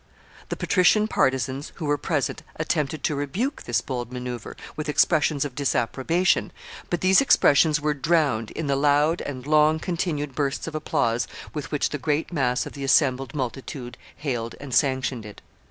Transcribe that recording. The patrician partisans who were present attempted to rebuke this bold maneuver with expressions of disapprobation, but these expressions were drowned in the loud and long continued bursts of applause with which the great mass of the assembled multitude hailed and sanctioned it.